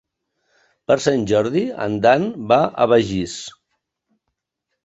Per Sant Jordi en Dan va a Begís.